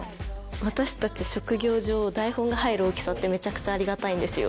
私たち職業上台本が入る大きさってめちゃくちゃありがたいんですよ。